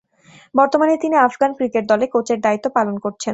বর্তমানে তিনি Afghan cricket দলে কোচের দায়িত্ব পালন করছেন।